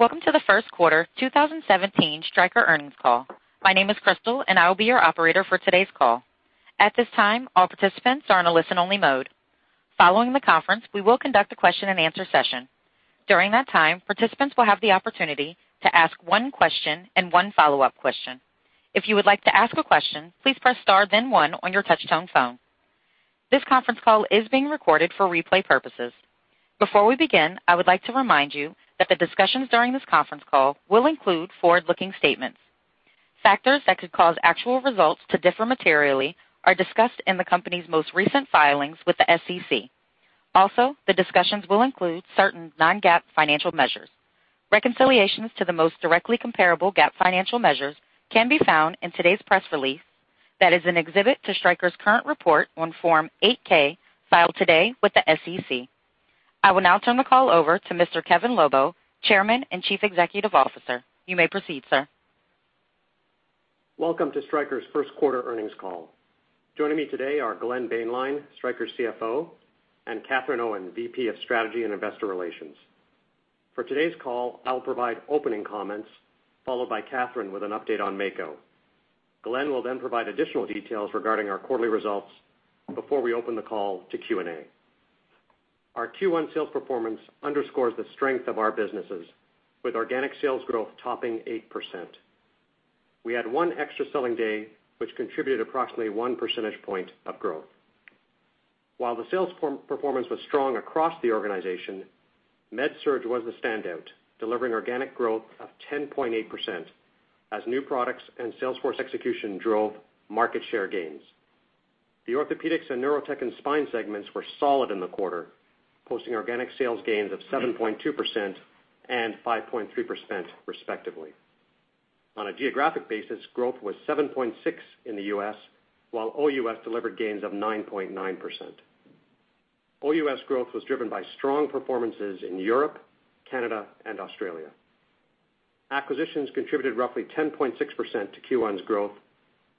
Welcome to the first quarter 2017 Stryker earnings call. My name is Crystal and I will be your operator for today's call. At this time, all participants are in a listen-only mode. Following the conference, we will conduct a question and answer session. During that time, participants will have the opportunity to ask one question and one follow-up question. If you would like to ask a question, please press star then one on your touchtone phone. This conference call is being recorded for replay purposes. Before we begin, I would like to remind you that the discussions during this conference call will include forward-looking statements. Factors that could cause actual results to differ materially are discussed in the company's most recent filings with the SEC. Also, the discussions will include certain non-GAAP financial measures. Reconciliations to the most directly comparable GAAP financial measures can be found in today's press release that is an exhibit to Stryker's current report on Form 8-K filed today with the SEC. I will now turn the call over to Mr. Kevin Lobo, Chairman and Chief Executive Officer. You may proceed, sir. Welcome to Stryker's first quarter earnings call. Joining me today are Glenn Boehnlein, Stryker's CFO, and Katherine Owen, VP of Strategy and Investor Relations. For today's call, I will provide opening comments followed by Katherine with an update on Mako. Glenn will then provide additional details regarding our quarterly results before we open the call to Q&A. Our Q1 sales performance underscores the strength of our businesses with organic sales growth topping 8%. We had one extra selling day, which contributed approximately one percentage point of growth. While the sales performance was strong across the organization, MedSurg was the standout, delivering organic growth of 10.8% as new products and sales force execution drove market share gains. The Orthopaedics and Neurotechnology and spine segments were solid in the quarter, posting organic sales gains of 7.2% and 5.3% respectively. On a geographic basis, growth was 7.6% in the U.S., while OUS delivered gains of 9.9%. OUS growth was driven by strong performances in Europe, Canada and Australia. Acquisitions contributed roughly 10.6% to Q1's growth,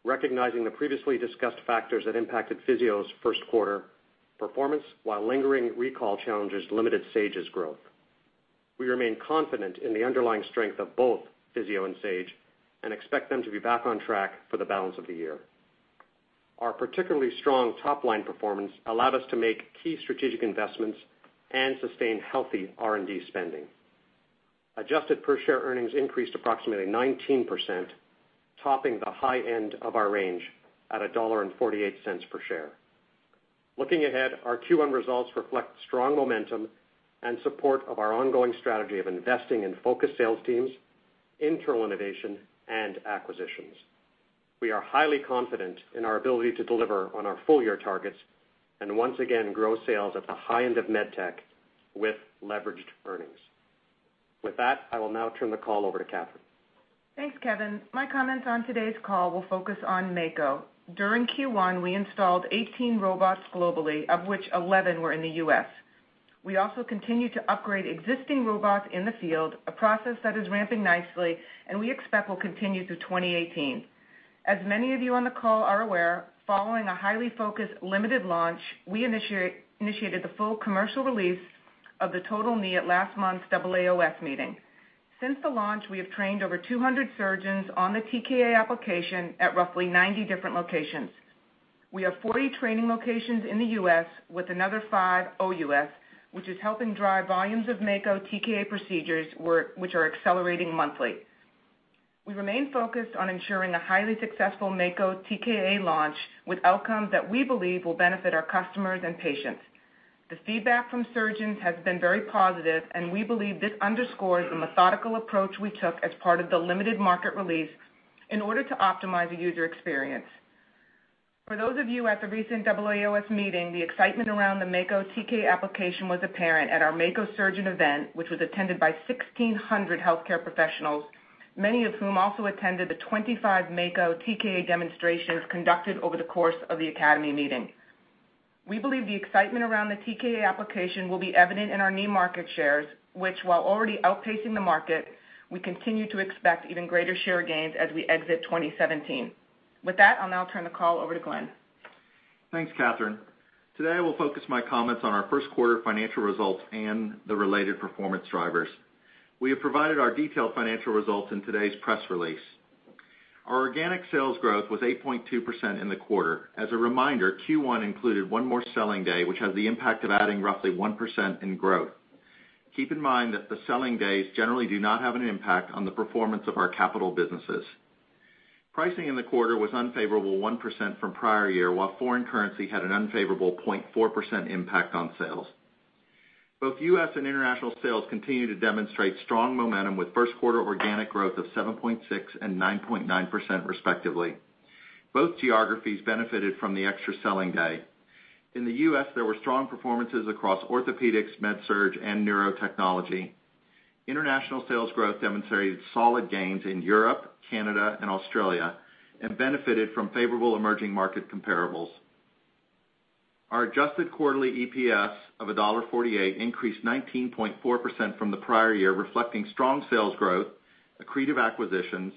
recognizing the previously discussed factors that impacted Physio's first quarter performance while lingering recall challenges limited Sage's growth. We remain confident in the underlying strength of both Physio and Sage and expect them to be back on track for the balance of the year. Our particularly strong top-line performance allowed us to make key strategic investments and sustain healthy R&D spending. Adjusted per share earnings increased approximately 19%, topping the high end of our range at $1.48 per share. Looking ahead, our Q1 results reflect strong momentum and support of our ongoing strategy of investing in focused sales teams, internal innovation and acquisitions. We are highly confident in our ability to deliver on our full-year targets and once again grow sales at the high end of med tech with leveraged earnings. With that, I will now turn the call over to Katherine. Thanks, Kevin. My comments on today's call will focus on Mako. During Q1, we installed 18 robots globally, of which 11 were in the U.S. We also continued to upgrade existing robots in the field, a process that is ramping nicely and we expect will continue through 2018. As many of you on the call are aware, following a highly focused, limited launch, we initiated the full commercial release of the Total Knee at last month's AAOS meeting. Since the launch, we have trained over 200 surgeons on the TKA application at roughly 90 different locations. We have 40 training locations in the U.S. with another five OUS, which is helping drive volumes of Mako TKA procedures which are accelerating monthly. We remain focused on ensuring a highly successful Mako TKA launch with outcomes that we believe will benefit our customers and patients. The feedback from surgeons has been very positive. We believe this underscores the methodical approach we took as part of the limited market release in order to optimize the user experience. For those of you at the recent AAOS meeting, the excitement around the Mako TK application was apparent at our Mako surgeon event, which was attended by 1,600 healthcare professionals, many of whom also attended the 25 Mako TKA demonstrations conducted over the course of the academy meeting. We believe the excitement around the TKA application will be evident in our knee market shares, which while already outpacing the market, we continue to expect even greater share gains as we exit 2017. With that, I'll now turn the call over to Glenn. Thanks, Katherine. Today, I will focus my comments on our first quarter financial results and the related performance drivers. We have provided our detailed financial results in today's press release. Our organic sales growth was 8.2% in the quarter. As a reminder, Q1 included one more selling day, which has the impact of adding roughly 1% in growth. Keep in mind that the selling days generally do not have an impact on the performance of our capital businesses. Pricing in the quarter was unfavorable 1% from prior year, while foreign currency had an unfavorable 0.4% impact on sales. Both U.S. and international sales continue to demonstrate strong momentum with first quarter organic growth of 7.6% and 9.9% respectively. Both geographies benefited from the extra selling day. In the U.S., there were strong performances across Orthopaedics, MedSurg and Neurotechnology. International sales growth demonstrated solid gains in Europe, Canada, and Australia, and benefited from favorable emerging market comparables. Our adjusted quarterly EPS of $1.48 increased 19.4% from the prior year, reflecting strong sales growth accretive acquisitions,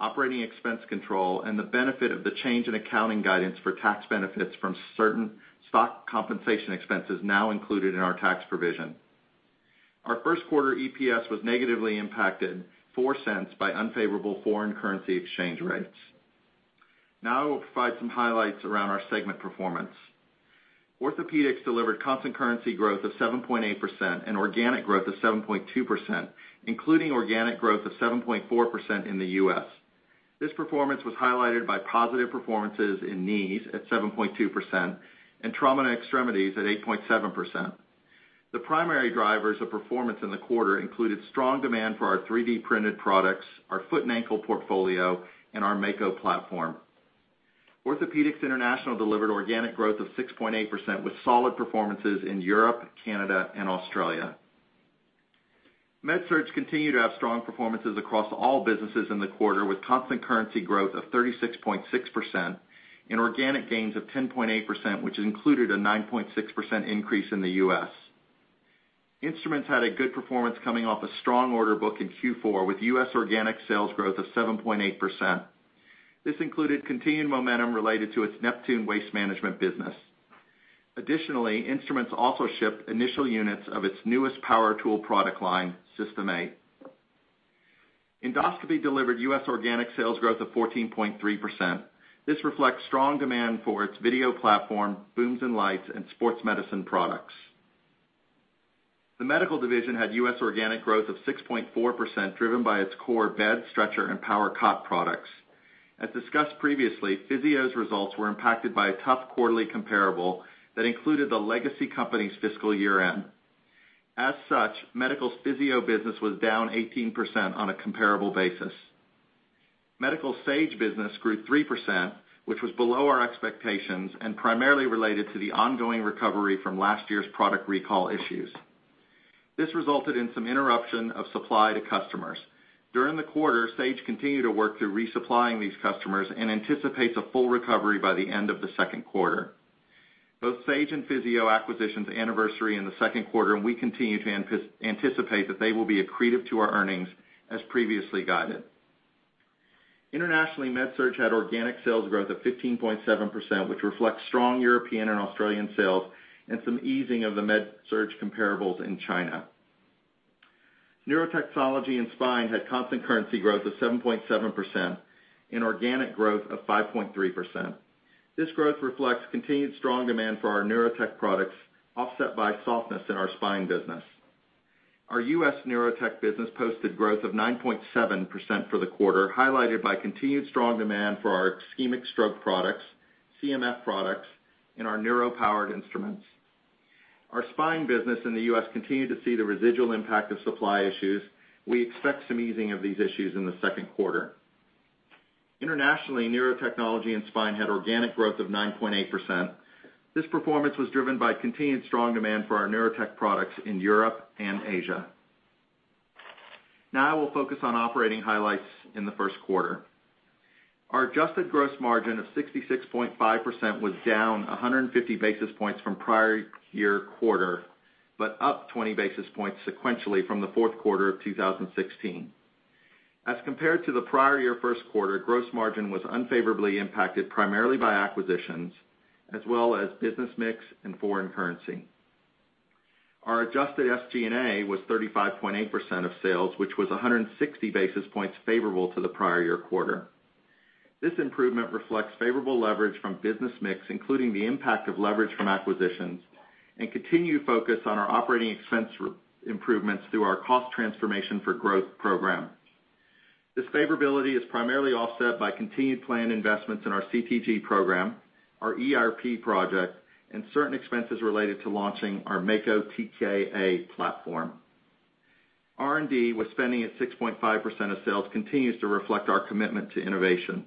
operating expense control, and the benefit of the change in accounting guidance for tax benefits from certain stock compensation expenses now included in our tax provision. Our first quarter EPS was negatively impacted $0.04 by unfavorable foreign currency exchange rates. I will provide some highlights around our segment performance. Orthopaedics delivered constant currency growth of 7.8% and organic growth of 7.2%, including organic growth of 7.4% in the U.S. This performance was highlighted by positive performances in knees at 7.2% and trauma and extremities at 8.7%. The primary drivers of performance in the quarter included strong demand for our 3D-printed products, our foot and ankle portfolio, and our Mako platform. Orthopaedics International delivered organic growth of 6.8% with solid performances in Europe, Canada, and Australia. MedSurg continued to have strong performances across all businesses in the quarter with constant currency growth of 36.6% and organic gains of 10.8%, which included a 9.6% increase in the U.S. Instruments had a good performance coming off a strong order book in Q4 with U.S. organic sales growth of 7.8%. This included continued momentum related to its Neptune Waste Management business. Additionally, Instruments also shipped initial units of its newest power tool product line, System 8. Endoscopy delivered U.S. organic sales growth of 14.3%. This reflects strong demand for its video platform, booms and lights, and sports medicine products. The medical division had U.S. organic growth of 6.4%, driven by its core bed, stretcher, and power cot products. As discussed previously, Physio's results were impacted by a tough quarterly comparable that included the legacy company's fiscal year-end. As such, Medical's Physio business was down 18% on a comparable basis. Medical's Sage business grew 3%, which was below our expectations and primarily related to the ongoing recovery from last year's product recall issues. This resulted in some interruption of supply to customers. During the quarter, Sage continued to work through resupplying these customers and anticipates a full recovery by the end of the second quarter. Both Sage and Physio acquisitions anniversary in the second quarter, and we continue to anticipate that they will be accretive to our earnings as previously guided. Internationally, MedSurg had organic sales growth of 15.7%, which reflects strong European and Australian sales and some easing of the MedSurg comparables in China. Neurotechnology and Spine had constant currency growth of 7.7% and organic growth of 5.3%. This growth reflects continued strong demand for our neurotech products, offset by softness in our spine business. Our U.S. Neurotechnology business posted growth of 9.7% for the quarter, highlighted by continued strong demand for our ischemic stroke products, CMF products, and our neuro powered instruments. Our Spine business in the U.S. continued to see the residual impact of supply issues. We expect some easing of these issues in the second quarter. Internationally, Neurotechnology and Spine had organic growth of 9.8%. This performance was driven by continued strong demand for our Neurotechnology products in Europe and Asia. Now I will focus on operating highlights in the first quarter. Our adjusted gross margin of 66.5% was down 150 basis points from prior year quarter, but up 20 basis points sequentially from the fourth quarter of 2016. As compared to the prior year first quarter, gross margin was unfavorably impacted primarily by acquisitions, as well as business mix and foreign currency. Our adjusted SG&A was 35.8% of sales, which was 160 basis points favorable to the prior year quarter. This improvement reflects favorable leverage from business mix, including the impact of leverage from acquisitions and continued focus on our operating expense improvements through our Cost Transformation for Growth program. This favorability is primarily offset by continued planned investments in our CTG program, our ERP project, and certain expenses related to launching our Mako TKA platform. R&D spending at 6.5% of sales continues to reflect our commitment to innovation.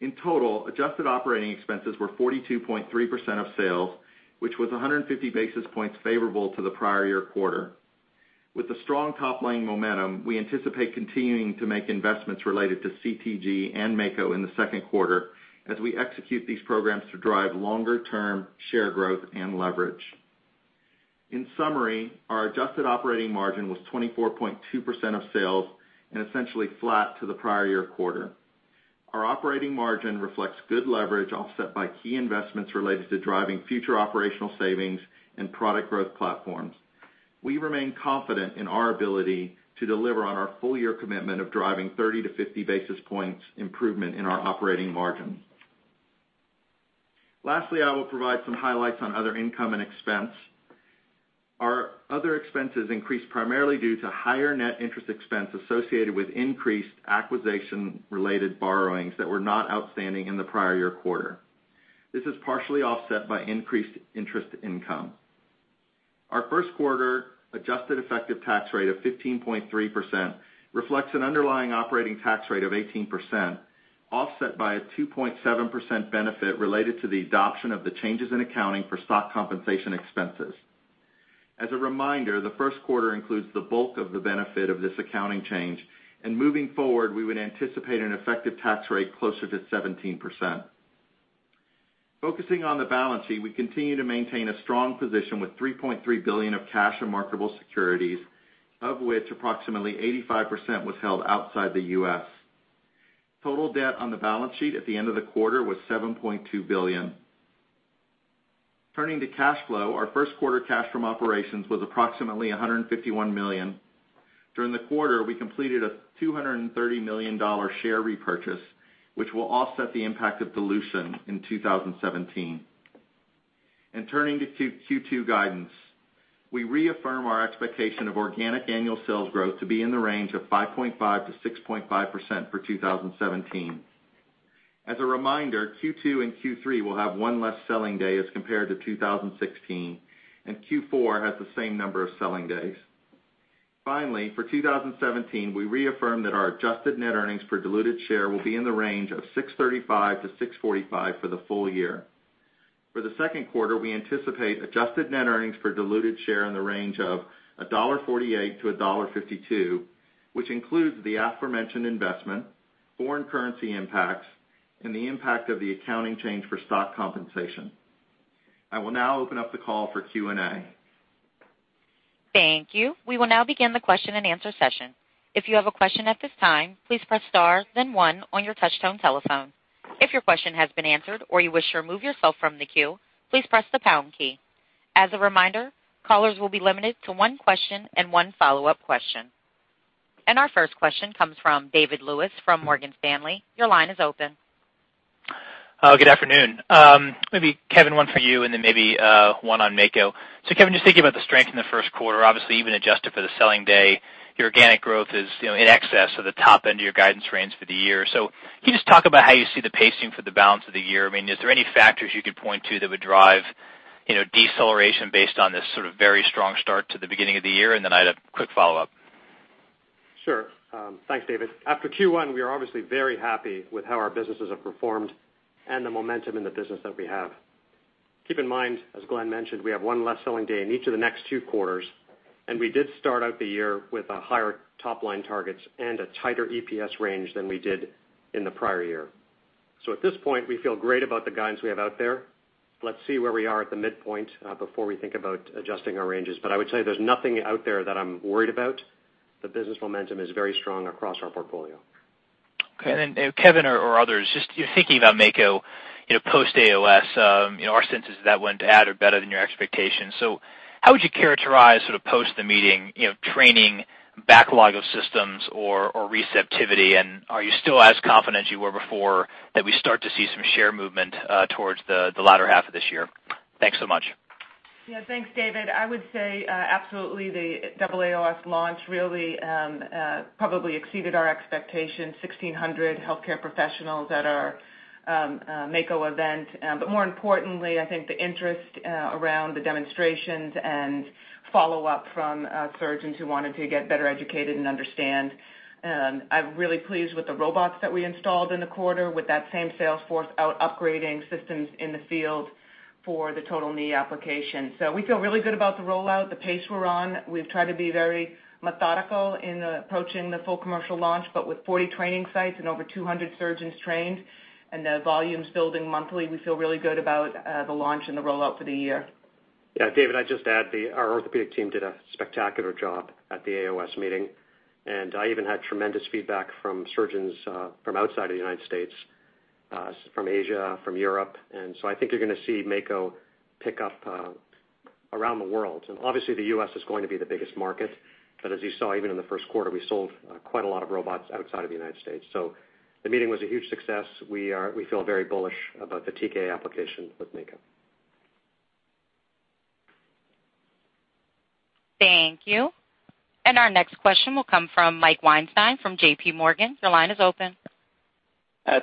In total, adjusted operating expenses were 42.3% of sales, which was 150 basis points favorable to the prior year quarter. With the strong top-line momentum, we anticipate continuing to make investments related to CTG and Mako in the second quarter as we execute these programs to drive longer-term share growth and leverage. In summary, our adjusted operating margin was 24.2% of sales and essentially flat to the prior year quarter. Our operating margin reflects good leverage offset by key investments related to driving future operational savings and product growth platforms. We remain confident in our ability to deliver on our full-year commitment of driving 30 to 50 basis points improvement in our operating margin. Lastly, I will provide some highlights on other income and expense. Our other expenses increased primarily due to higher net interest expense associated with increased acquisition-related borrowings that were not outstanding in the prior year quarter. This is partially offset by increased interest income. Our first quarter adjusted effective tax rate of 15.3% reflects an underlying operating tax rate of 18%, offset by a 2.7% benefit related to the adoption of the changes in accounting for stock compensation expenses. As a reminder, the first quarter includes the bulk of the benefit of this accounting change. Moving forward, we would anticipate an effective tax rate closer to 17%. Focusing on the balance sheet, we continue to maintain a strong position with $3.3 billion of cash and marketable securities, of which approximately 85% was held outside the U.S. Total debt on the balance sheet at the end of the quarter was $7.2 billion. Turning to cash flow, our first quarter cash from operations was approximately $151 million. During the quarter, we completed a $230 million share repurchase, which will offset the impact of dilution in 2017. Turning to Q2 guidance, we reaffirm our expectation of organic annual sales growth to be in the range of 5.5%-6.5% for 2017. As a reminder, Q2 and Q3 will have one less selling day as compared to 2016, and Q4 has the same number of selling days. For 2017, we reaffirm that our adjusted net earnings per diluted share will be in the range of $6.35-$6.45 for the full year. For the second quarter, we anticipate adjusted net earnings per diluted share in the range of $1.48-$1.52, which includes the aforementioned investment, foreign currency impacts, and the impact of the accounting change for stock compensation. I will now open up the call for Q&A. Thank you. We will now begin the question and answer session. If you have a question at this time, please press star then one on your touch tone telephone. If your question has been answered or you wish to remove yourself from the queue, please press the pound key. As a reminder, callers will be limited to one question and one follow-up question. Our first question comes from David Lewis from Morgan Stanley. Your line is open. Good afternoon. Kevin, one for you and then maybe one on Mako. Kevin, just thinking about the strength in the first quarter, obviously even adjusted for the selling day, your organic growth is in excess of the top end of your guidance range for the year. Can you just talk about how you see the pacing for the balance of the year? Is there any factors you could point to that would drive deceleration based on this sort of very strong start to the beginning of the year? Then I'd have quick follow-up. Sure. Thanks, David. After Q1, we are obviously very happy with how our businesses have performed and the momentum in the business that we have. Keep in mind, as Glenn mentioned, we have one less selling day in each of the next two quarters, and we did start out the year with higher top-line targets and a tighter EPS range than we did in the prior year. At this point, we feel great about the guidance we have out there. Let's see where we are at the midpoint before we think about adjusting our ranges. I would say there's nothing out there that I'm worried about. The business momentum is very strong across our portfolio. Okay. Kevin or others, just thinking about Mako post AAOS. Our sense is that went at or better than your expectations. How would you characterize sort of post the meeting, training backlog of systems or receptivity, and are you still as confident you were before that we start to see some share movement towards the latter half of this year? Thanks so much. Yeah. Thanks, David. I would say absolutely the double AAOS launch really probably exceeded our expectations, 1,600 healthcare professionals at our Mako event. More importantly, I think the interest around the demonstrations and follow-up from surgeons who wanted to get better educated and understand. I'm really pleased with the robots that we installed in the quarter with that same sales force out upgrading systems in the field for the Total Knee application. We feel really good about the rollout, the pace we're on. We've tried to be very methodical in approaching the full commercial launch, but with 40 training sites and over 200 surgeons trained and the volumes building monthly, we feel really good about the launch and the rollout for the year. Yeah, David, I'd just add our orthopedic team did a spectacular job at the AAOS meeting. I even had tremendous feedback from surgeons from outside of the U.S., from Asia, from Europe, I think you're going to see Mako pick up around the world. Obviously the U.S. is going to be the biggest market, but as you saw, even in the first quarter, we sold quite a lot of robots outside of the U.S. The meeting was a huge success. We feel very bullish about the TKA application with Mako. Thank you. Our next question will come from Mike Weinstein from J.P. Morgan. Your line is open.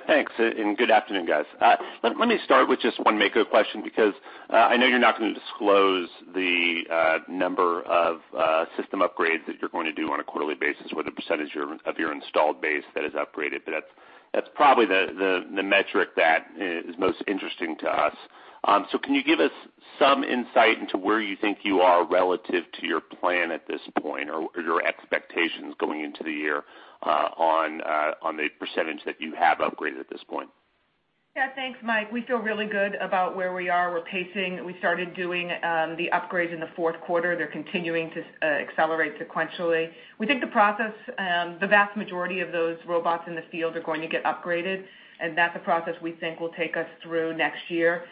Thanks, good afternoon, guys. Let me start with just one Mako question, because I know you're not going to disclose the number of system upgrades that you're going to do on a quarterly basis or the percentage of your installed base that is upgraded, that's probably the metric that is most interesting to us. Can you give us some insight into where you think you are relative to your plan at this point, or your expectations going into the year on the percentage that you have upgraded at this point? Yeah, thanks, Mike. We feel really good about where we are. We're pacing. We started doing the upgrades in the fourth quarter. They're continuing to accelerate sequentially. We think the process, the vast majority of those robots in the field are going to get upgraded, that's a process we think will take us through next year.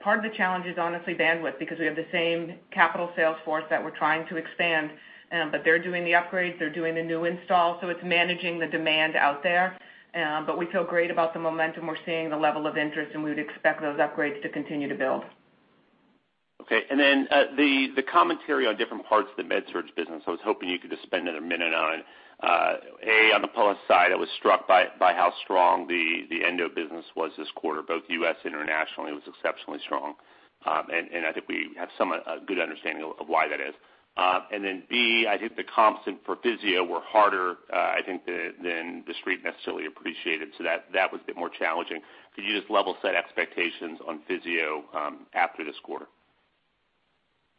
Part of the challenge is honestly bandwidth, because we have the same capital sales force that we're trying to expand, they're doing the upgrades, they're doing the new installs, it's managing the demand out there. We feel great about the momentum we're seeing, the level of interest, we would expect those upgrades to continue to build. Okay. The commentary on different parts of the MedSurg business, I was hoping you could just spend another minute on it. A, on the plus side, I was struck by how strong the Endo business was this quarter, both U.S., internationally, it was exceptionally strong. I think we have somewhat a good understanding of why that is. B, I think the comps for Physio-Control were harder, I think, than the street necessarily appreciated. That was a bit more challenging. Could you just level set expectations on Physio-Control after this quarter?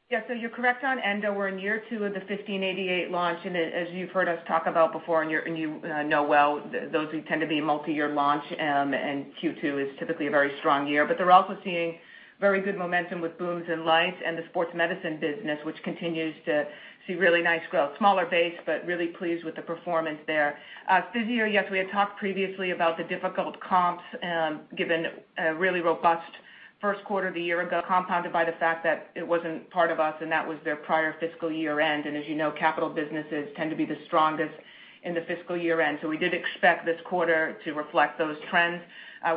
Yes. You're correct on Endo. We're in year 2 of the 1588 launch, as you've heard us talk about before, you know well, those tend to be a multi-year launch, Q2 is typically a very strong year. They're also seeing very good momentum with booms and lights and the sports medicine business, which continues to see really nice growth. Smaller base, really pleased with the performance there. Physio, yes, we had talked previously about the difficult comps, given a really robust first quarter of a year ago, compounded by the fact that it wasn't part of us, that was their prior fiscal year-end. As you know, capital businesses tend to be the strongest in the fiscal year-end. We did expect this quarter to reflect those trends.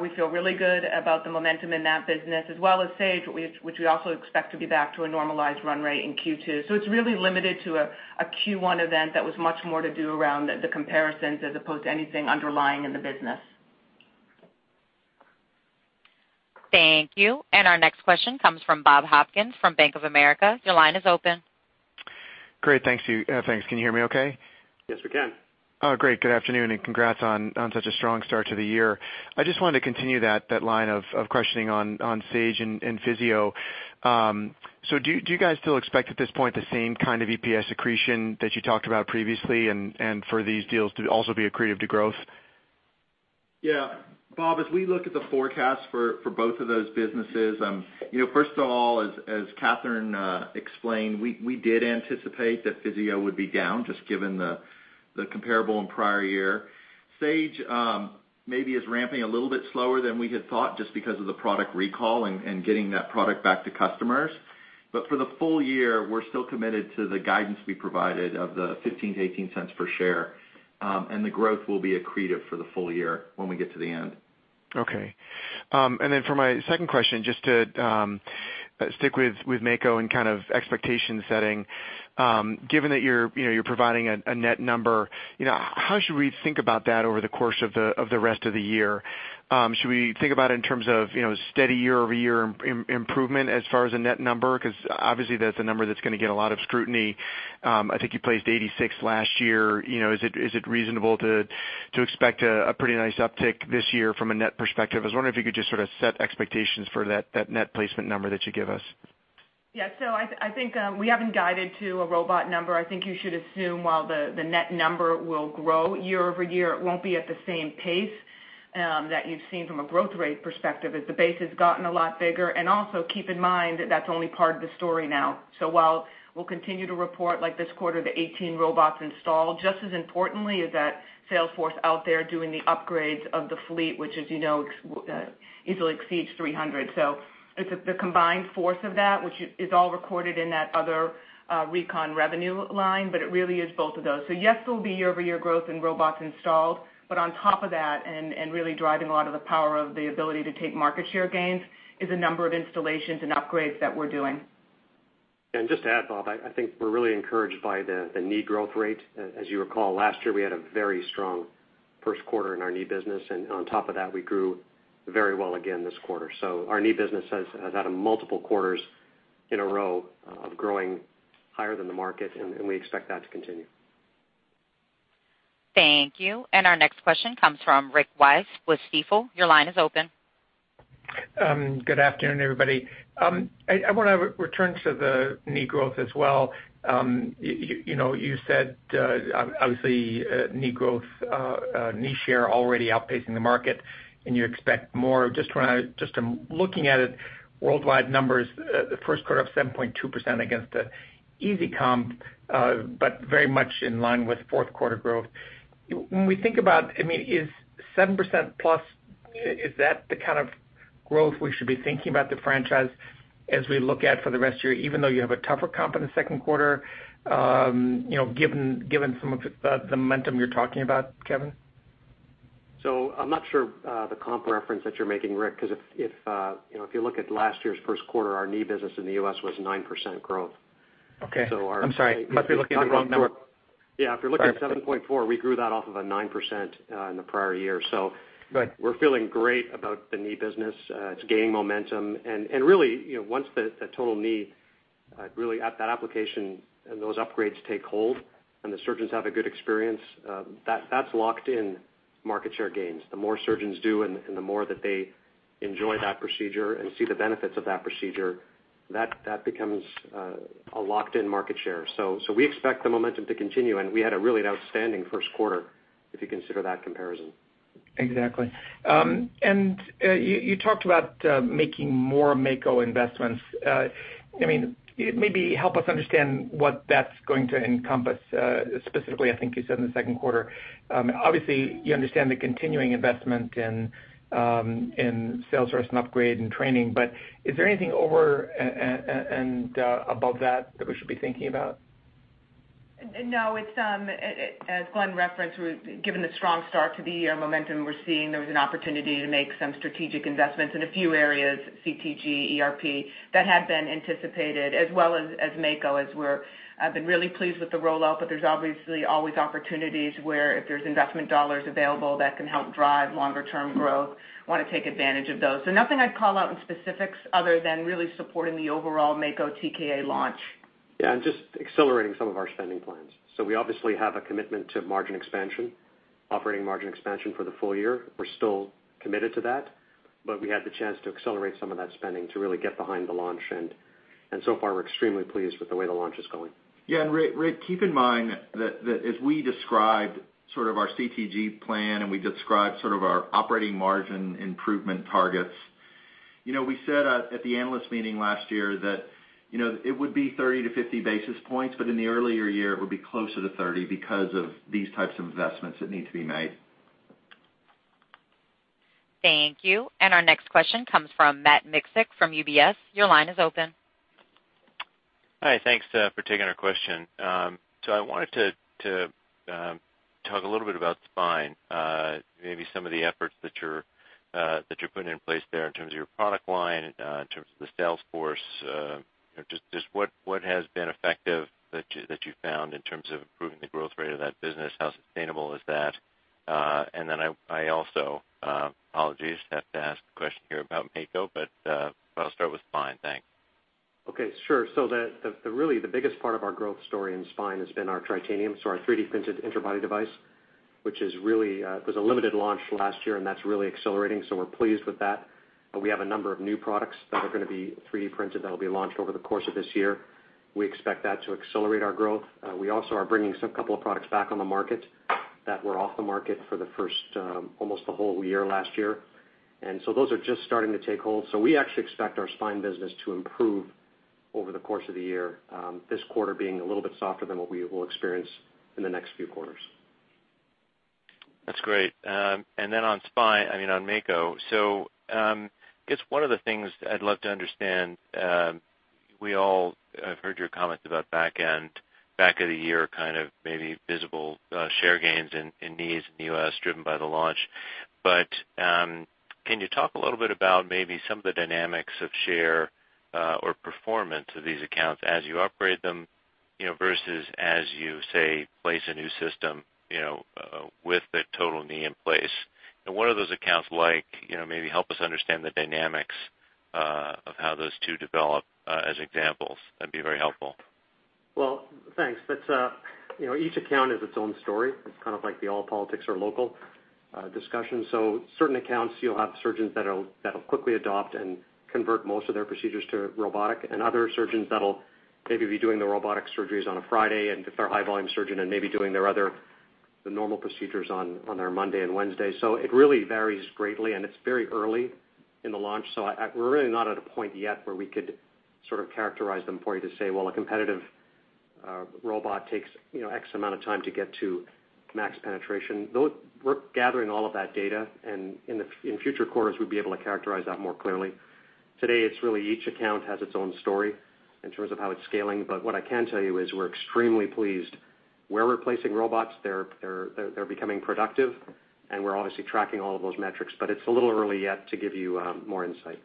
We feel really good about the momentum in that business, as well as Sage, which we also expect to be back to a normalized run rate in Q2. It's really limited to a Q1 event that was much more to do around the comparisons as opposed to anything underlying in the business. Thank you. Our next question comes from Robert Hopkins from Bank of America. Your line is open. Great. Thanks. Can you hear me okay? Yes, we can. Oh, great. Good afternoon. Congrats on such a strong start to the year. I just wanted to continue that line of questioning on Sage and Physio. Do you guys still expect at this point the same kind of EPS accretion that you talked about previously and for these deals to also be accretive to growth? Yeah. Bob, as we look at the forecast for both of those businesses, first of all, as Katherine explained, we did anticipate that Physio would be down just given the comparable in prior year. Sage maybe is ramping a little bit slower than we had thought just because of the product recall and getting that product back to customers. For the full year, we're still committed to the guidance we provided of the $0.15-$0.18 per share, and the growth will be accretive for the full year when we get to the end. Okay. For my second question, just to stick with Mako and kind of expectation setting. Given that you're providing a net number, how should we think about that over the course of the rest of the year? Should we think about it in terms of steady year-over-year improvement as far as the net number? Because obviously, that's a number that's going to get a lot of scrutiny. I think you placed 86 last year. Is it reasonable to expect a pretty nice uptick this year from a net perspective? I was wondering if you could just sort of set expectations for that net placement number that you give us. Yeah. I think we haven't guided to a robot number. I think you should assume while the net number will grow year-over-year, it won't be at the same pace that you've seen from a growth rate perspective as the base has gotten a lot bigger. Also keep in mind that's only part of the story now. While we'll continue to report like this quarter, the 18 robots installed, just as importantly is that sales force out there doing the upgrades of the fleet, which as you know, easily exceeds 300. It's the combined force of that, which is all recorded in that other recon revenue line, but it really is both of those. Yes, there'll be year-over-year growth in robots installed, on top of that, really driving a lot of the power of the ability to take market share gains, is the number of installations and upgrades that we're doing. Just to add, Bob, I think we're really encouraged by the knee growth rate. As you recall, last year, we had a very strong first quarter in our knee business, on top of that, we grew very well again this quarter. Our knee business has had multiple quarters in a row of growing higher than the market, and we expect that to continue. Thank you. Our next question comes from Rick Wise with Stifel. Your line is open. Good afternoon, everybody. I want to return to the knee growth as well. You said, obviously, knee growth, knee share already outpacing the market, and you expect more. Just looking at it worldwide numbers, the first quarter up 7.2% against an easy comp, very much in line with fourth quarter growth. When we think about it, is 7% plus, is that the kind of growth we should be thinking about the franchise as we look at for the rest of the year, even though you have a tougher comp in the second quarter, given some of the momentum you're talking about, Kevin? I'm not sure the comp reference that you're making, Rick, because if you look at last year's first quarter, our knee business in the U.S. was 9% growth. Okay. I'm sorry. Must be looking at the wrong number. Yeah, if you're looking at 7.4%, we grew that off of a 9% in the prior year. Right. We're feeling great about the knee business. It's gaining momentum. Really, once the Total Knee, really at that application and those upgrades take hold and the surgeons have a good experience, that's locked in market share gains. The more surgeons do and the more that they enjoy that procedure and see the benefits of that procedure, that becomes a locked-in market share. We expect the momentum to continue, and we had a really outstanding first quarter, if you consider that comparison. Exactly. You talked about making more Mako investments. Maybe help us understand what that's going to encompass, specifically, I think you said in the second quarter. Obviously, you understand the continuing investment in sales force and upgrade and training, is there anything over and above that we should be thinking about? No. As Glenn referenced, given the strong start to the year momentum we're seeing, there was an opportunity to make some strategic investments in a few areas, CTG, ERP, that had been anticipated, as well as Mako, as we've been really pleased with the rollout, there's obviously always opportunities where if there's investment dollars available that can help drive longer-term growth, want to take advantage of those. Nothing I'd call out in specifics other than really supporting the overall Mako TKA launch. Just accelerating some of our spending plans. We obviously have a commitment to margin expansion, operating margin expansion for the full year. We're still committed to that. We had the chance to accelerate some of that spending to really get behind the launch, so far, we're extremely pleased with the way the launch is going. Rick, keep in mind that as we described our CTG plan and we described our operating margin improvement targets, we said at the analyst meeting last year that it would be 30 to 50 basis points, but in the earlier year it would be closer to 30 because of these types of investments that need to be made. Thank you. Our next question comes from Matt Miksic from UBS. Your line is open. Hi. Thanks for taking our question. I wanted to talk a little bit about spine, maybe some of the efforts that you're putting in place there in terms of your product line, in terms of the sales force. Just what has been effective that you've found in terms of improving the growth rate of that business? How sustainable is that? Then I also, apologies, have to ask a question here about Mako, but I'll start with spine. Thanks. Okay, sure. Really the biggest part of our growth story in spine has been our Tritanium, our 3D-printed interbody device, which was a limited launch last year, and that's really accelerating. We're pleased with that. We have a number of new products that are going to be 3D-printed that will be launched over the course of this year. We expect that to accelerate our growth. We also are bringing a couple of products back on the market that were off the market for almost the whole year last year. Those are just starting to take hold. We actually expect our spine business to improve over the course of the year, this quarter being a little bit softer than what we will experience in the next few quarters. That's great. On Mako. I guess one of the things I'd love to understand, I've heard your comments about back end, back of the year, kind of maybe visible share gains in knees in the U.S. driven by the launch. Can you talk a little bit about maybe some of the dynamics of share or performance of these accounts as you upgrade them, versus as you, say, place a new system with the Total Knee in place? What are those accounts like? Maybe help us understand the dynamics of how those two develop as examples. That'd be very helpful. Well, thanks. Each account has its own story. It's kind of like the all politics are local discussion. Certain accounts, you'll have surgeons that'll quickly adopt and convert most of their procedures to robotic, other surgeons that'll maybe be doing the robotic surgeries on a Friday and if they're a high-volume surgeon and maybe doing the normal procedures on their Monday and Wednesday. It really varies greatly, and it's very early in the launch. We're really not at a point yet where we could sort of characterize them for you to say, well, a competitive robot takes X amount of time to get to max penetration. We're gathering all of that data, in future quarters, we'll be able to characterize that more clearly. Today, it's really each account has its own story in terms of how it's scaling. What I can tell you is we're extremely pleased. Where we're placing robots, they're becoming productive, we're obviously tracking all of those metrics, it's a little early yet to give you more insight.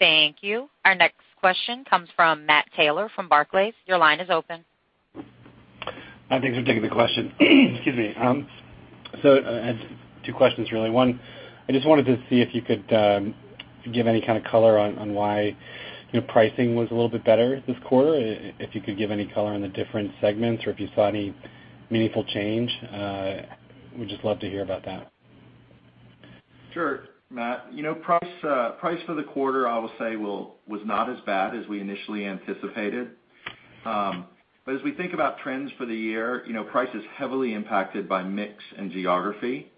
Thank you. Our next question comes from Matthew Taylor from Barclays. Your line is open. Thanks for taking the question. Excuse me. I had two questions, really. One, I just wanted to see if you could give any kind of color on why your pricing was a little bit better this quarter, if you could give any color on the different segments or if you saw any meaningful change. We'd just love to hear about that. Sure, Matt. Price for the quarter, I will say, was not as bad as we initially anticipated. As we think about trends for the year, price is heavily impacted by mix and geography.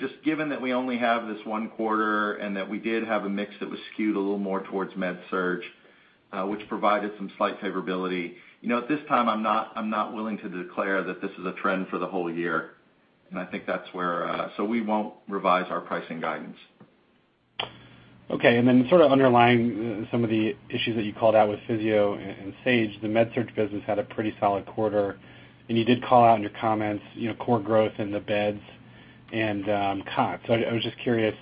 Just given that we only have this one quarter and that we did have a mix that was skewed a little more towards MedSurg, which provided some slight favorability. At this time, I'm not willing to declare that this is a trend for the whole year. We won't revise our pricing guidance. Okay. Sort of underlying some of the issues that you called out with Physio and Sage, the MedSurg business had a pretty solid quarter. You did call out in your comments core growth in the beds and cots. I was just curious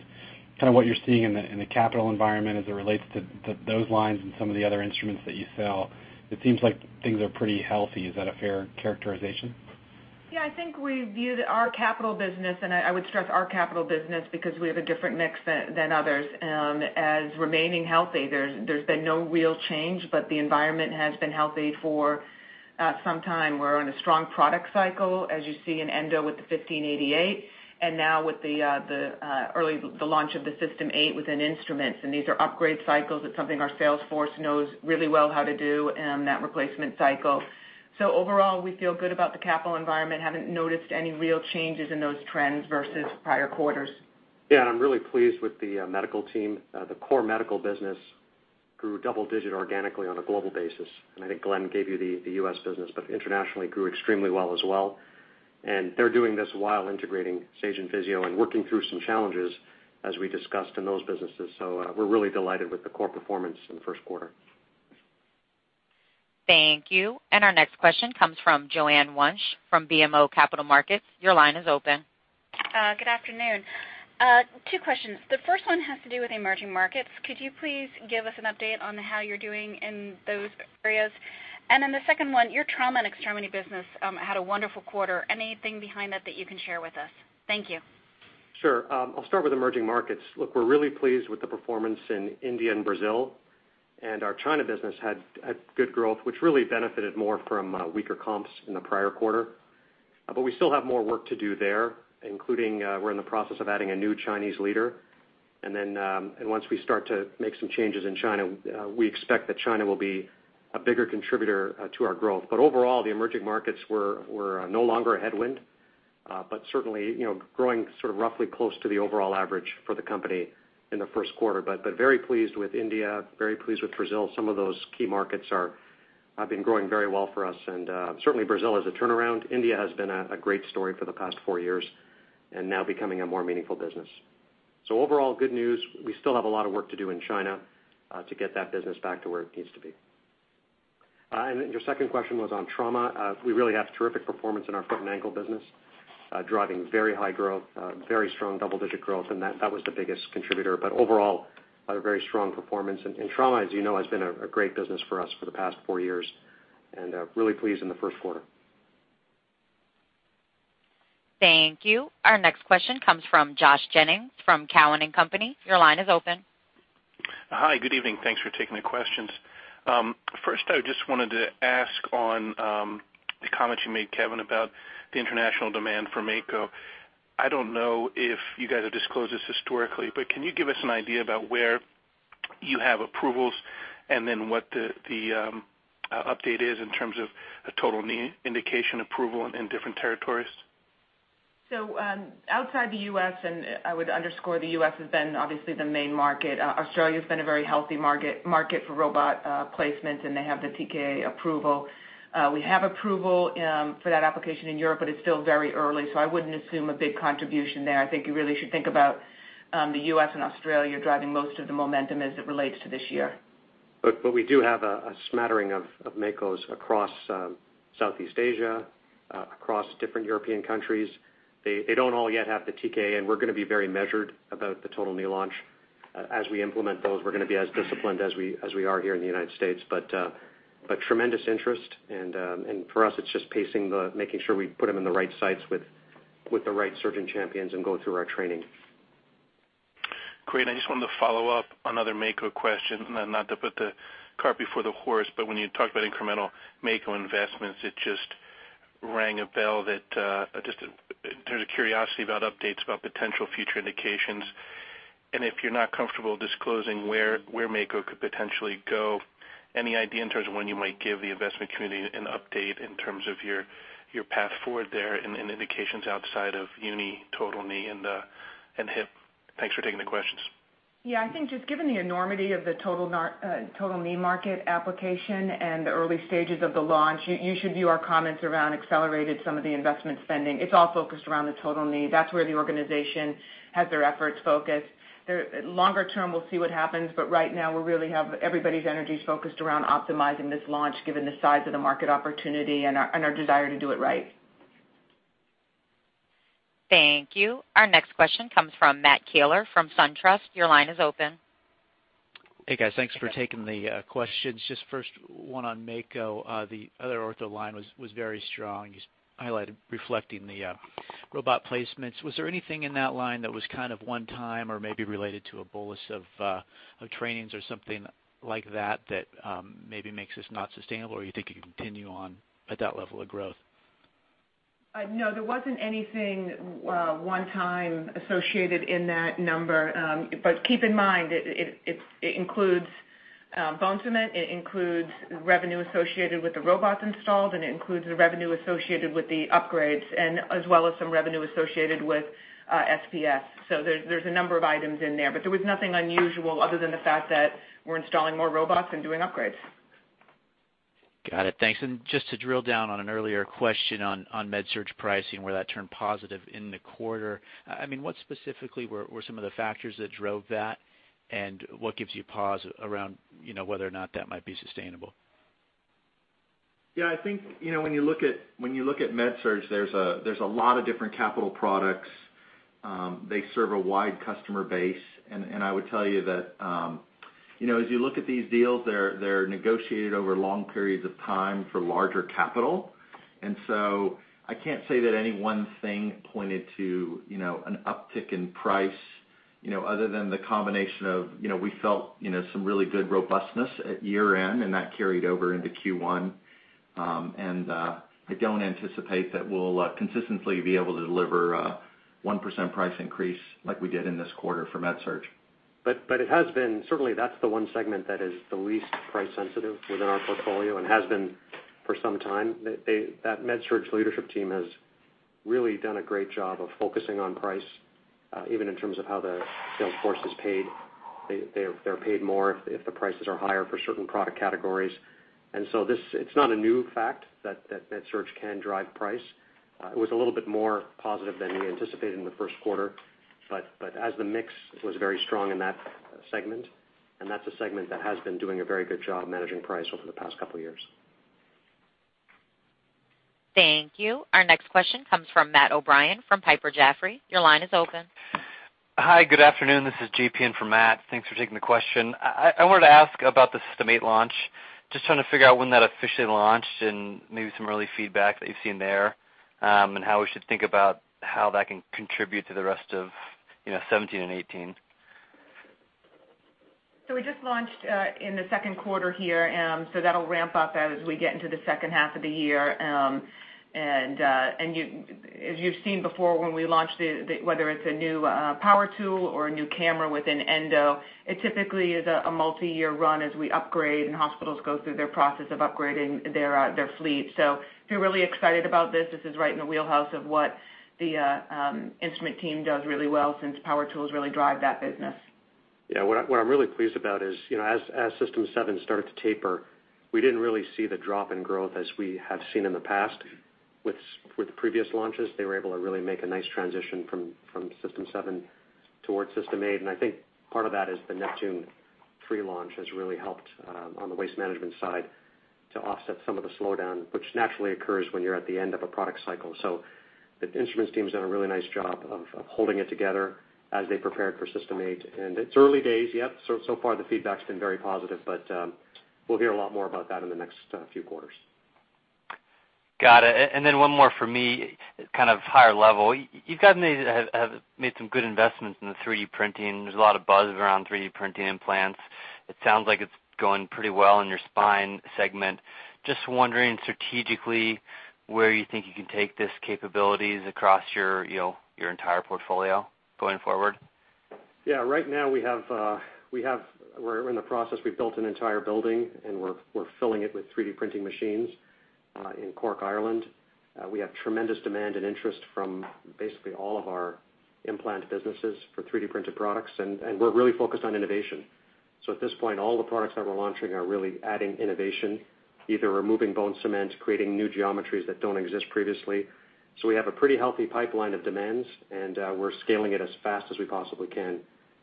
kind of what you're seeing in the capital environment as it relates to those lines and some of the other instruments that you sell. It seems like things are pretty healthy. Is that a fair characterization? Yeah, I think we viewed our capital business, and I would stress our capital business because we have a different mix than others, as remaining healthy. There's been no real change, the environment has been healthy for some time. We're in a strong product cycle, as you see in endo with the 1588 and now with the launch of the System 8 within instruments. These are upgrade cycles. It's something our sales force knows really well how to do, that replacement cycle. Overall, we feel good about the capital environment. Haven't noticed any real changes in those trends versus prior quarters. Yeah. I'm really pleased with the medical team. The core medical business grew double-digit organically on a global basis. I think Glenn gave you the U.S. business, internationally grew extremely well as well. They're doing this while integrating Sage and Physio-Control and working through some challenges as we discussed in those businesses. We're really delighted with the core performance in the first quarter. Thank you. Our next question comes from Joanne Wuensch from BMO Capital Markets. Your line is open. Good afternoon. Two questions. The first one has to do with emerging markets. The second one, your trauma and extremity business had a wonderful quarter. Anything behind that that you can share with us? Thank you. Sure. I'll start with emerging markets. Look, we're really pleased with the performance in India and Brazil. Our China business had good growth, which really benefited more from weaker comps in the prior quarter. We still have more work to do there, including we're in the process of adding a new Chinese leader. Once we start to make some changes in China, we expect that China will be a bigger contributor to our growth. Overall, the emerging markets were no longer a headwind, but certainly, growing sort of roughly close to the overall average for the company in the first quarter. Very pleased with India, very pleased with Brazil. Some of those key markets have been growing very well for us, and, certainly Brazil is a turnaround. India has been a great story for the past four years, and now becoming a more meaningful business. Overall, good news. We still have a lot of work to do in China to get that business back to where it needs to be. Your second question was on trauma. We really have terrific performance in our foot and ankle business, driving very high growth, very strong double-digit growth, and that was the biggest contributor. Overall, a very strong performance. Trauma, as you know, has been a great business for us for the past four years, and really pleased in the first quarter. Thank you. Our next question comes from Joshua Jennings from Cowen and Company. Your line is open. Hi. Good evening. Thanks for taking the questions. First, I just wanted to ask on the comment you made, Kevin, about the international demand for Mako. I don't know if you guys have disclosed this historically, but can you give us an idea about where you have approvals and then what the update is in terms of a Total Knee indication approval in different territories? Outside the U.S., and I would underscore the U.S. has been obviously the main market, Australia has been a very healthy market for robot placement, and they have the TK approval. We have approval for that application in Europe, but it is still very early, so I would not assume a big contribution there. I think you really should think about the U.S. and Australia driving most of the momentum as it relates to this year. We do have a smattering of Makos across Southeast Asia, across different European countries. They do not all yet have the TK, and we are going to be very measured about the Total Knee launch. As we implement those, we are going to be as disciplined as we are here in the U.S. Tremendous interest, and for us, it is just pacing, making sure we put them in the right sites with the right surgeon champions and go through our training. Great. I just wanted to follow up, another Mako question. Not to put the cart before the horse, but when you talked about incremental Mako investments, it just rang a bell that there is a curiosity about updates about potential future indications. If you are not comfortable disclosing where Mako could potentially go, any idea in terms of when you might give the investment community an update in terms of your path forward there and indications outside of uni, Total Knee, and hip? Thanks for taking the questions. I think just given the enormity of the Total Knee market application and the early stages of the launch, you should view our comments around accelerated some of the investment spending. It is all focused around the Total Knee. That is where the organization has their efforts focused. Longer term, we will see what happens, right now, we really have everybody's energies focused around optimizing this launch given the size of the market opportunity and our desire to do it right. Thank you. Our next question comes from Matt Kahler from SunTrust. Your line is open. Hey, guys. Thanks for taking the questions. First one on Mako. The other ortho line was very strong, as highlighted, reflecting the robot placements. Was there anything in that line that was kind of one time or maybe related to a bolus of trainings or something like that maybe makes this not sustainable, or you think it could continue on at that level of growth? No, there wasn't anything one time associated in that number. Keep in mind, it includes Bone Cement, it includes revenue associated with the robots installed, and it includes the revenue associated with the upgrades, as well as some revenue associated with SPS. There's a number of items in there. There was nothing unusual other than the fact that we're installing more robots and doing upgrades. Got it. Thanks. Just to drill down on an earlier question on MedSurg pricing, where that turned positive in the quarter. What specifically were some of the factors that drove that, and what gives you pause around whether or not that might be sustainable? I think, when you look at MedSurg, there's a lot of different capital products. They serve a wide customer base, I would tell you that as you look at these deals, they're negotiated over long periods of time for larger capital. I can't say that any one thing pointed to an uptick in price, other than the combination of we felt some really good robustness at year-end, that carried over into Q1. I don't anticipate that we'll consistently be able to deliver a 1% price increase like we did in this quarter for MedSurg. It has been, certainly that's the one segment that is the least price sensitive within our portfolio and has been for some time. That MedSurg leadership team has really done a great job of focusing on price, even in terms of how the sales force is paid. They're paid more if the prices are higher for certain product categories. It's not a new fact that MedSurg can drive price. It was a little bit more positive than we anticipated in the first quarter, as the mix was very strong in that segment, that's a segment that has been doing a very good job managing price over the past couple of years. Thank you. Our next question comes from Matthew O'Brien from Piper Jaffray. Your line is open. Hi, good afternoon. This is J.P. in for Matt. Thanks for taking the question. I wanted to ask about the System 8 launch. Just trying to figure out when that officially launched and maybe some early feedback that you've seen there, how we should think about how that can contribute to the rest of 2017 and 2018. We just launched in the second quarter here. That'll ramp up as we get into the second half of the year. As you've seen before, when we launched, whether it's a new power tool or a new camera within endo, it typically is a multi-year run as we upgrade and hospitals go through their process of upgrading their fleet. We're really excited about this. This is right in the wheelhouse of what the instrument team does really well since power tools really drive that business. What I'm really pleased about is, as System 7 started to taper, we didn't really see the drop in growth as we have seen in the past with previous launches. They were able to really make a nice transition from System 7 towards System 8. I think part of that is the Neptune 3 launch has really helped on the waste management side to offset some of the slowdown, which naturally occurs when you're at the end of a product cycle. The instruments team's done a really nice job of holding it together as they prepared for System 8. It's early days yet. So far the feedback's been very positive, but we'll hear a lot more about that in the next few quarters. Got it. Then one more from me, kind of higher level. You guys have made some good investments in the 3D printing. There's a lot of buzz around 3D printing implants. It sounds like it's going pretty well in your spine segment. Just wondering strategically, where you think you can take these capabilities across your entire portfolio going forward? Right now we're in the process. We've built an entire building, and we're filling it with 3D printing machines in Cork, Ireland. We have tremendous demand and interest from basically all of our implant businesses for 3D-printed products, and we're really focused on innovation. At this point, all the products that we're launching are really adding innovation, either removing Bone Cement, creating new geometries that don't exist previously. We have a pretty healthy pipeline of demands, and we're scaling it as fast as we possibly can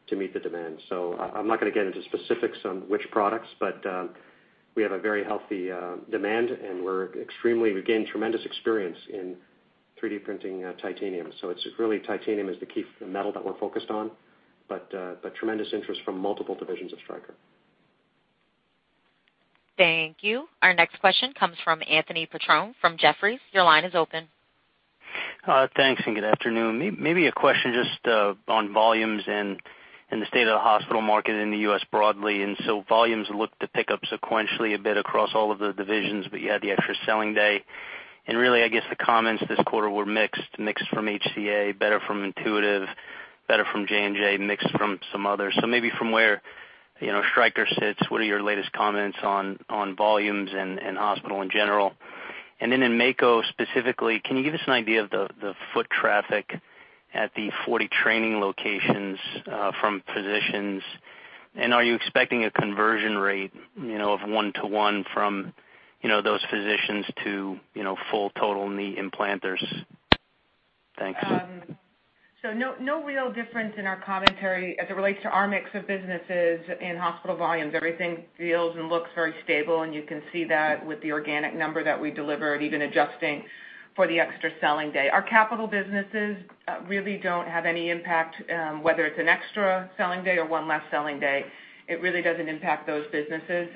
to meet the demand. I'm not going to get into specifics on which products, but we have a very healthy demand, and we're extremely, again, tremendous experience in 3D printing titanium. It's really titanium is the key metal that we're focused on, but tremendous interest from multiple divisions of Stryker. Thank you. Our next question comes from Anthony Petrone from Jefferies. Your line is open. Thanks. Good afternoon. Maybe a question just on volumes and the state of the hospital market in the U.S. broadly. Volumes look to pick up sequentially a bit across all of the divisions, but you had the extra selling day. Really, I guess the comments this quarter were mixed. Mixed from HCA, better from Intuitive, better from J&J, mixed from some others. Maybe from where Stryker sits, what are your latest comments on volumes and hospital in general? Then in Mako specifically, can you give us an idea of the foot traffic at the 40 training locations from physicians, and are you expecting a conversion rate of one to one from those physicians to full Total Knee implanters? Thanks. No real difference in our commentary as it relates to our mix of businesses in hospital volumes. Everything feels and looks very stable, and you can see that with the organic number that we delivered, even adjusting for the extra selling day. Our capital businesses really don't have any impact, whether it's an extra selling day or one less selling day. It really doesn't impact those businesses.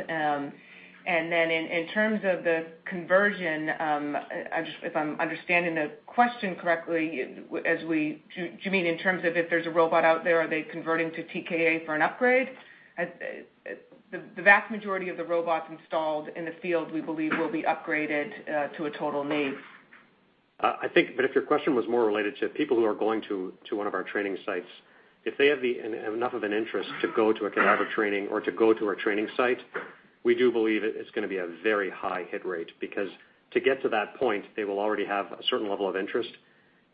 Then in terms of the conversion, if I'm understanding the question correctly, do you mean in terms of if there's a robot out there, are they converting to TKA for an upgrade? The vast majority of the robots installed in the field, we believe, will be upgraded to a Total Knee. I think. If your question was more related to people who are going to one of our training sites, if they have enough of an interest to go to a cadaver training or to go to our training site, we do believe it's going to be a very high hit rate. Because to get to that point, they will already have a certain level of interest.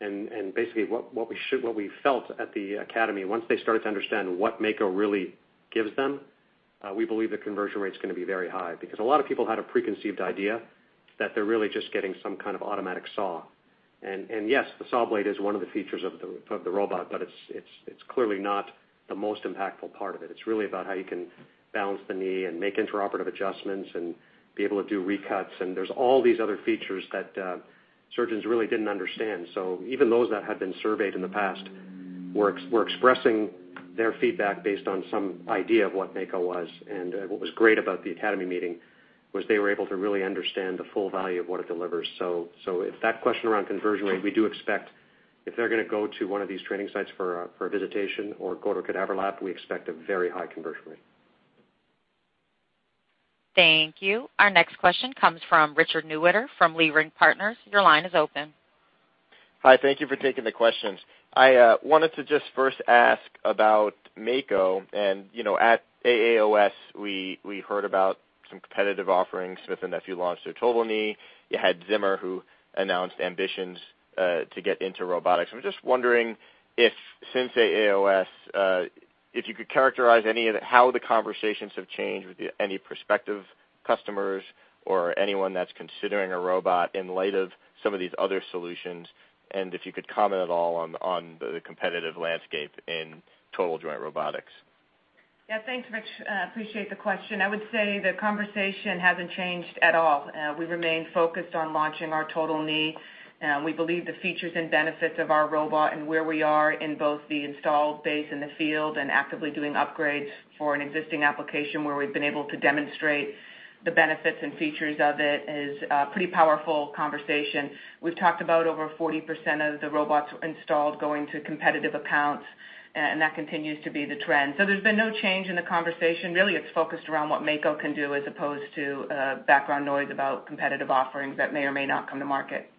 Basically, what we felt at the academy, once they started to understand what Mako really gives them, we believe the conversion rate's going to be very high. Because a lot of people had a preconceived idea that they're really just getting some kind of automatic saw. Yes, the saw blade is one of the features of the robot, but it's clearly not the most impactful part of it. It's really about how you can balance the knee and make interoperative adjustments and be able to do recuts, and there's all these other features that surgeons really didn't understand. Even those that had been surveyed in the past were expressing their feedback based on some idea of what Mako was. What was great about the academy meeting was they were able to really understand the full value of what it delivers. If that question around conversion rate, we do expect if they're going to go to one of these training sites for a visitation or go to a cadaver lab, we expect a very high conversion rate. Thank you. Our next question comes from Richard Newitter from Leerink Partners. Your line is open. Hi. Thank you for taking the questions. I wanted to just first ask about Mako. At AAOS, we heard about some competitive offerings. Smith & Nephew launched their total knee. You had Zimmer, who announced ambitions to get into robotics. I'm just wondering if since AAOS, if you could characterize how the conversations have changed with any prospective customers or anyone that's considering a robot in light of some of these other solutions, and if you could comment at all on the competitive landscape in total joint robotics. Yeah. Thanks, Rich. Appreciate the question. I would say the conversation hasn't changed at all. We remain focused on launching our Total Knee. We believe the features and benefits of our robot and where we are in both the installed base in the field and actively doing upgrades for an existing application where we've been able to demonstrate the benefits and features of it is a pretty powerful conversation. We've talked about over 40% of the robots installed going to competitive accounts, and that continues to be the trend. There's been no change in the conversation. Really, it's focused around what Mako can do as opposed to background noise about competitive offerings that may or may not come to market.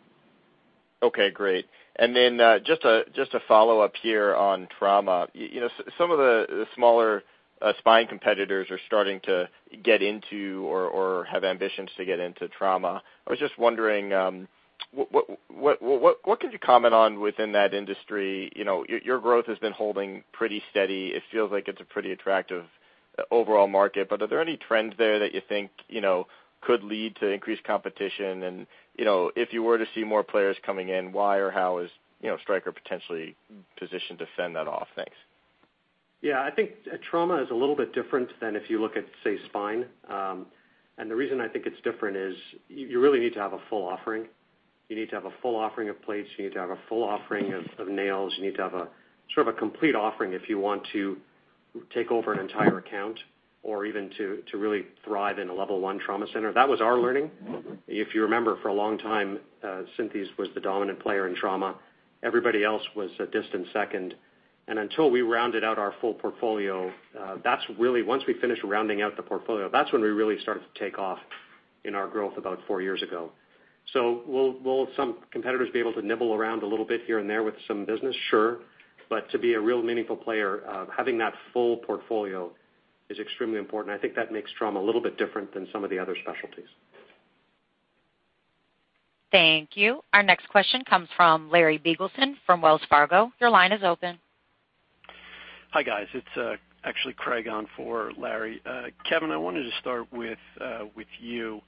Okay, great. Then, just a follow-up here on trauma. Some of the smaller spine competitors are starting to get into, or have ambitions to get into trauma. I was just wondering, what could you comment on within that industry? Your growth has been holding pretty steady. It feels like it's a pretty attractive overall market, but are there any trends there that you think could lead to increased competition? If you were to see more players coming in, why or how is Stryker potentially positioned to fend that off? Thanks. Yeah, I think trauma is a little bit different than if you look at, say, spine. The reason I think it's different is you really need to have a full offering. You need to have a full offering of plates. You need to have a sort of a complete offering if you want to take over an entire account or even to really thrive in a level 1 trauma center. That was our learning. If you remember, for a long time, Synthes was the dominant player in trauma. Everybody else was a distant second. Until we rounded out our full portfolio, once we finished rounding out the portfolio, that's when we really started to take off in our growth about four years ago. Will some competitors be able to nibble around a little bit here and there with some business? Sure. To be a real meaningful player, having that full portfolio is extremely important. I think that makes trauma a little bit different than some of the other specialties. Thank you. Our next question comes from Larry Biegelsen from Wells Fargo. Your line is open. Hi, guys. It's actually Craig on for Larry. Kevin, I wanted to start with you.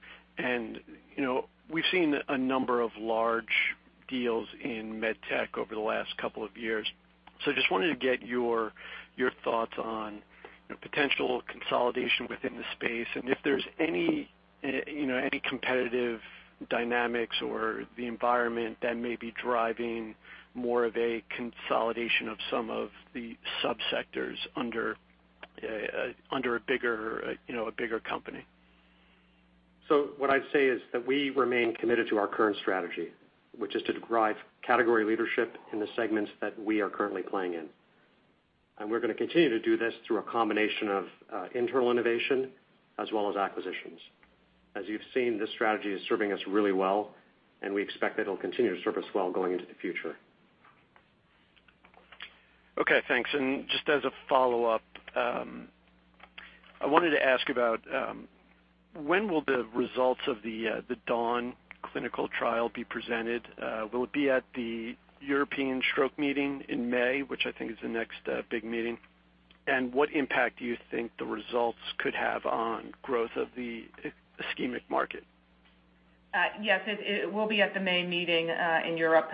We've seen a number of large deals in medtech over the last couple of years. I just wanted to get your thoughts on potential consolidation within the space, and if there's any competitive dynamics or the environment that may be driving more of a consolidation of some of the sub-sectors under a bigger company. What I'd say is that we remain committed to our current strategy, which is to drive category leadership in the segments that we are currently playing in. We're going to continue to do this through a combination of internal innovation as well as acquisitions. As you've seen, this strategy is serving us really well, and we expect that it'll continue to serve us well going into the future. Okay, thanks. Just as a follow-up, I wanted to ask about when will the results of the DAWN clinical trial be presented? Will it be at the European stroke meeting in May, which I think is the next big meeting? What impact do you think the results could have on growth of the ischemic market? Yes, it will be at the May meeting, in Europe.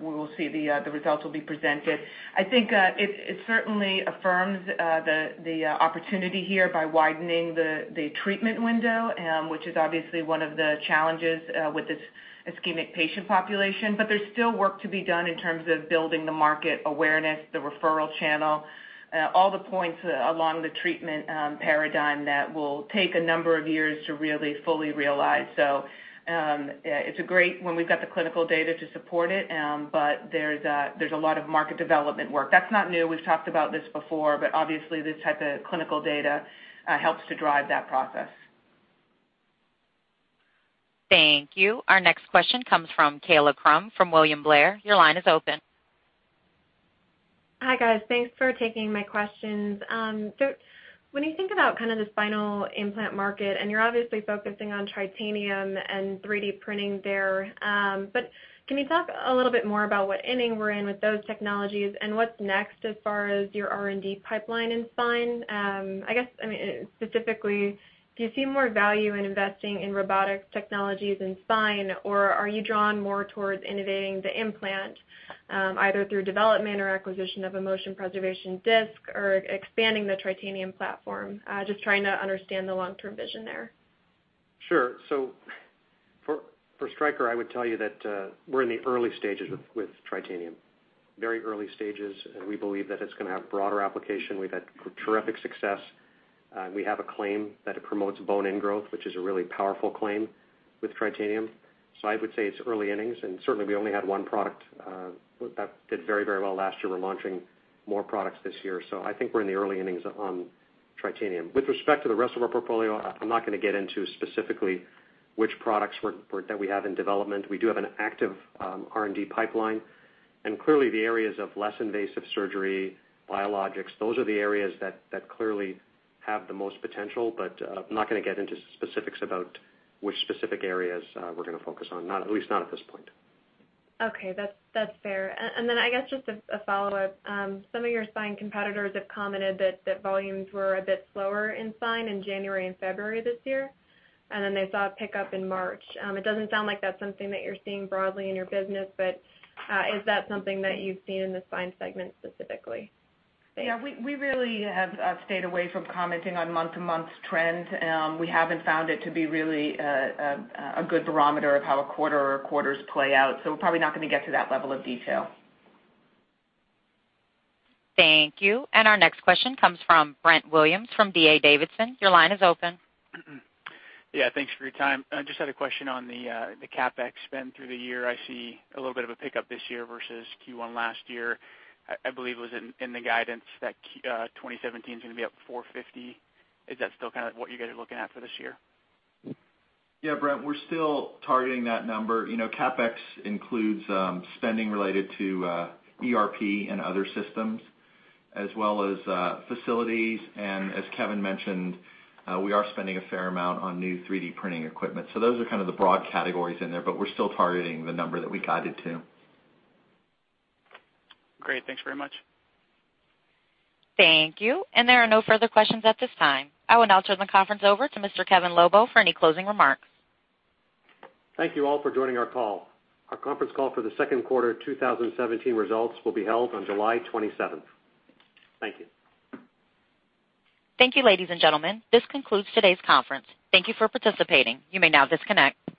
We will see the results will be presented. I think it certainly affirms the opportunity here by widening the treatment window, which is obviously one of the challenges with this ischemic patient population. There's still work to be done in terms of building the market awareness, the referral channel, all the points along the treatment paradigm that will take a number of years to really fully realize. It's great when we've got the clinical data to support it, but there's a lot of market development work. That's not new. We've talked about this before, but obviously this type of clinical data helps to drive that process. Thank you. Our next question comes from Kaila Krum from William Blair. Your line is open. Hi, guys. Thanks for taking my questions. When you think about kind of the spinal implant market, you're obviously focusing on titanium and 3D printing there, can you talk a little bit more about what inning we're in with those technologies and what's next as far as your R&D pipeline in spine? I guess, specifically, do you see more value in investing in robotic technologies in spine, or are you drawn more towards innovating the implant, either through development or acquisition of a motion preservation disc or expanding the titanium platform? Just trying to understand the long-term vision there. Sure. For Stryker, I would tell you that we're in the early stages with titanium. Very early stages. We believe that it's going to have broader application. We've had terrific success. We have a claim that it promotes bone ingrowth, which is a really powerful claim with titanium. I would say it's early innings, certainly we only had one product that did very well last year. We're launching more products this year. I think we're in the early innings on titanium. With respect to the rest of our portfolio, I'm not going to get into specifically which products that we have in development. We do have an active R&D pipeline, clearly the areas of less invasive surgery, biologics, those are the areas that clearly have the most potential. I'm not going to get into specifics about which specific areas we're going to focus on, at least not at this point. Okay. That's fair. I guess just a follow-up. Some of your spine competitors have commented that volumes were a bit slower in spine in January and February this year, then they saw a pickup in March. It doesn't sound like that's something that you're seeing broadly in your business. Is that something that you've seen in the spine segment specifically? Thanks. Yeah, we really have stayed away from commenting on month-to-month trend. We haven't found it to be really a good barometer of how a quarter or quarters play out, we're probably not going to get to that level of detail. Thank you. Our next question comes from Brent Williams from D.A. Davidson. Your line is open. Yeah, thanks for your time. I just had a question on the CapEx spend through the year. I see a little bit of a pickup this year versus Q1 last year. I believe it was in the guidance that 2017 is going to be up $450. Is that still kind of what you guys are looking at for this year? Yeah, Brent, we're still targeting that number. CapEx includes spending related to ERP and other systems as well as facilities. As Kevin mentioned, we are spending a fair amount on new 3D printing equipment. Those are kind of the broad categories in there, but we're still targeting the number that we guided to. Great. Thanks very much. Thank you. There are no further questions at this time. I will now turn the conference over to Mr. Kevin Lobo for any closing remarks. Thank you all for joining our call. Our conference call for the second quarter 2017 results will be held on July 27th. Thank you. Thank you, ladies and gentlemen. This concludes today's conference. Thank you for participating. You may now disconnect.